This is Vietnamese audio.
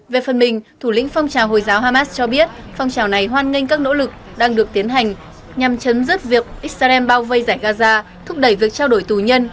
về phần mình thủ lĩnh phong trào hồi giáo hamas cho biết phong trào này hoan nghênh các nỗ lực đang được tiến hành nhằm chấm dứt việc israel bao vây giải gaza thúc đẩy việc trao đổi tù nhân